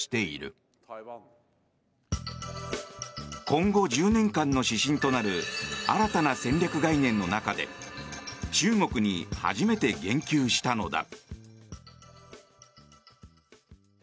今後１０年間の指針となる新たな戦略概念の中で中国に初めて言及したのだ。